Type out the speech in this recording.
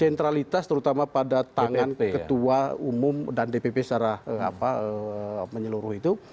sentralitas terutama pada tangan ketua umum dan dpp secara menyeluruh itu